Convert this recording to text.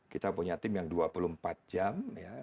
kita punya tim yang dua puluh empat jam